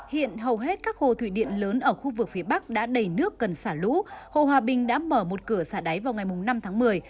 hiện hầu hết các hồ thủy điện lớn ở khu vực phía bắc đã đầy nước cần xả lũ hồ hòa bình đã mở một cửa xả đáy vào ngày năm tháng một mươi